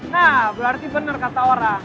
nah berarti benar kata orang